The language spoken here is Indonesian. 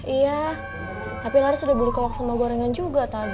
iya tapi lari sudah beli kolak sama gorengan juga tadi